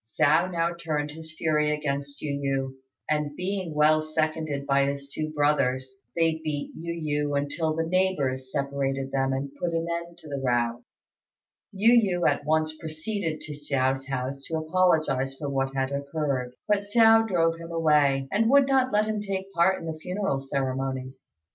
Hsiao now turned his fury against Yu yü, and being well seconded by his two brothers, they beat Yu yü until the neighbours separated them and put an end to the row. Yu yü at once proceeded to Hsiao's house to apologize for what had occurred; but Hsiao drove him away, and would not let him take part in the funeral ceremonies.